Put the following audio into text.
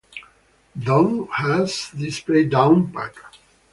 Don has this play down pat.